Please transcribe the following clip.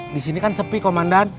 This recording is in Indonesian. disini kan sepi komandan